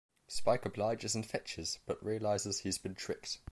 Spike obliges and fetches but realises he's been tricked.